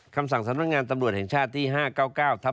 คำสั่งสำรวจงานตำรวจของชาติที่๕๙๙ทัก๒๑๖๐